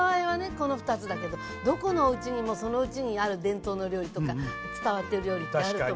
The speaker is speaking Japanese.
この２つだけどどこのおうちにもそのうちにある伝統の料理とか伝わってる料理ってあると思うのよね。